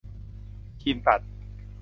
คีมตัด